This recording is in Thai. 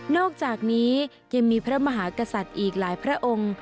อกจากนี้ยังมีพระมหากษัตริย์อีกหลายพระองค์